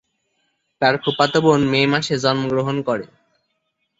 তার ফুফাতো বোন মে মাসে জন্মগ্রহণ করে।